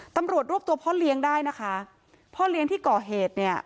ตำรวจรวบตัวพ่อเลี้ยงได้นะคะพ่อเลี้ยงที่ก่อเหตุเนี่ย